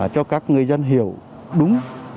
cho các người dân hiểu đúng